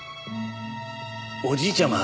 おじいちゃま